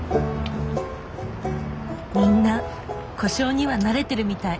みんな故障には慣れてるみたい。